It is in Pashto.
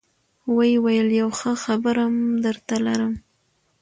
ويې ويل يو ښه خبرم درته لرم.